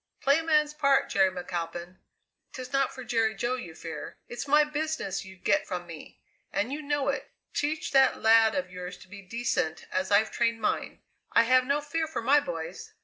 "Play a man's part, Jerry McAlpin. 'Tis not for Jerry Jo you fear; it's my business you'd get from me, and you know it! Teach that lad of yours to be decent, as I've trained mine. I have no fear for my boys!